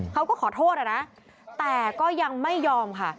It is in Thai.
เขาก็ขอโทษอะนะแต่ก็ยังไม่ยอมค่ะ